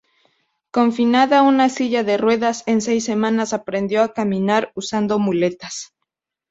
Confinada a una silla de ruedas, en seis semanas aprendió a caminar usando muletas.